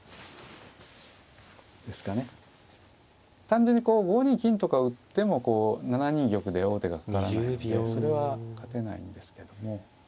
単純にこう５二金とか打っても７二玉で王手がかからないのでそれは勝てないんですけども。